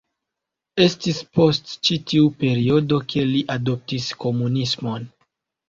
Estis post ĉi tiu periodo ke li adoptis komunismon.